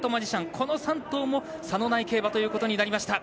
この３頭も、差のない競馬ということになりました。